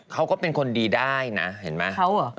เขาก็เป็นคนดีได้นะเห็นไหม